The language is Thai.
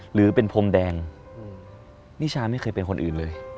หรือเป็นพรมแดงนิชาไม่เคยเป็นคนอื่นเลย